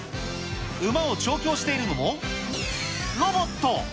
馬を調教しているのも、ロボット。